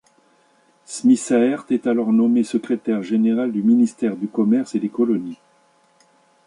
Smissaert est alors nommé secrétaire général du ministère du Commerce et des Colonies.